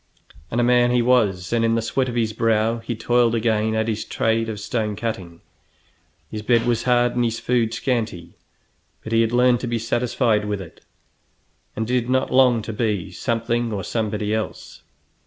And a man he was, and in the sweat of his brow he toiled again at his trade of stone cutting. His bed was hard and his food scanty, but he had learned to be satisfied with it, and did not long to be something or somebody else.